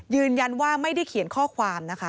ยืนยันว่าไม่ได้เขียนข้อความนะคะ